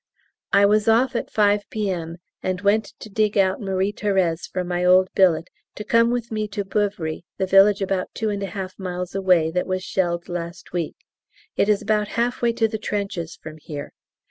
I was off at 5 P.M., and went to dig out Marie Thérèse from my old billet, to come with me to Beuvry, the village about two and a half miles away that was shelled last week; it is about half way to the trenches from here.